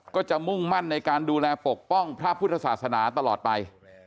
ก็จะมุ่งมั่นในการดูแลปกป้องพระพุทธศาสนาตลอดไป